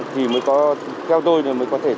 thì mới có theo tôi thì mới có thể